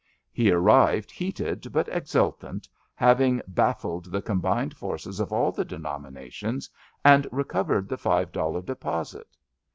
He arrived heated but exultant, having baffled the combined forces of all the denominations and recovered the five dollar deposit.